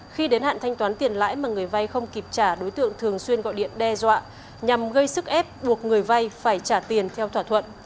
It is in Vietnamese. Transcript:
khi đến hạn thanh toán tiền lãi mà người vay không kịp trả đối tượng thường xuyên gọi điện đe dọa nhằm gây sức ép buộc người vay phải trả tiền theo thỏa thuận